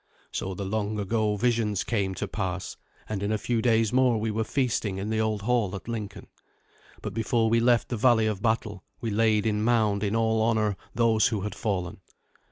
So the long ago visions came to pass, and in a few days more we were feasting in the old hall at Lincoln. But before we left the valley of the battle we laid in mound in all honour those who had fallen.